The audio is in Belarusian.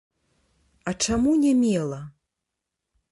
А чаму не мела?